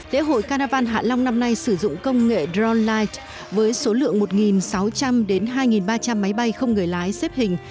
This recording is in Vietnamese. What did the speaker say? lễ hội carnival hạ long năm nay sử dụng công nghệ drone light với số lượng một sáu trăm linh hai ba trăm linh máy bay không người lái xếp hình